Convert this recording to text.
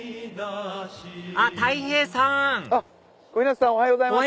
あったい平さん小日向さんおはようございます。